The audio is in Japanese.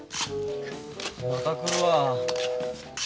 また来るわ。